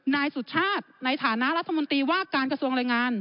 นายสุชาติในฐานะรัฐมนตรีว่าการกระทรวงแรงงาน